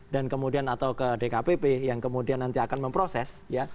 dan kemudian atau ke dkpp yang kemudian nanti akan memproses ya